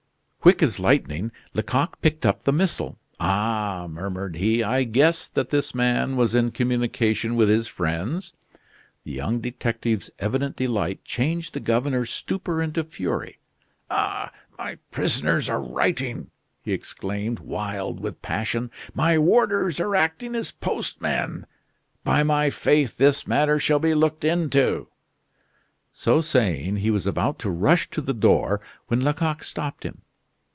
Quick as lightning, Lecoq picked up the missile. "Ah," murmured he, "I guessed that this man was in communication with his friends." The young detective's evident delight changed the governor's stupor into fury. "Ah! my prisoners are writing!" he exclaimed, wild with passion. "My warders are acting as postmen! By my faith, this matter shall be looked into." So saying, he was about to rush to the door when Lecoq stopped him.